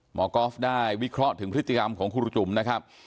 กอล์ฟได้วิเคราะห์ถึงพฤติกรรมของครูจุ๋มนะครับ